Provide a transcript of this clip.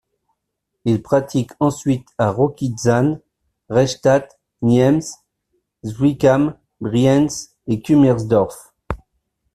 Il pratique ensuite à Rokitzan, Reichstadt, Niems, Zwickam, Briens et Kummersdorf.